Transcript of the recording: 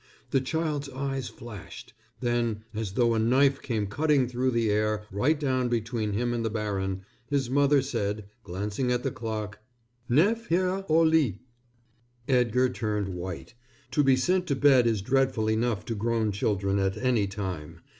The child's eyes flashed. Then, as though a knife came cutting through the air right down between him and the baron, his mother said, glancing at the clock: "Neuf heures. Au lit." Edgar turned white. To be sent to bed is dreadful enough to grown children at any time.